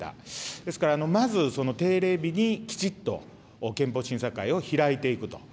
ですから、まず定例日にきちっと憲法審査会を開いていくと。